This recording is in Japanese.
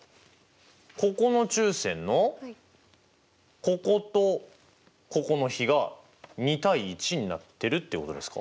ここの中線のこことここの比が２：１になってるっていうことですか？